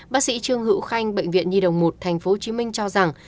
bác sĩ trương hữu khanh bệnh viện nhi đồng một tp hcm cho rằng